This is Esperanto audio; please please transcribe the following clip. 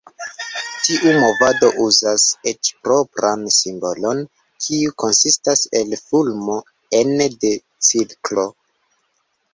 Tiu movado uzas eĉ propran simbolon, kiu konsistas el fulmo ene de cirklo.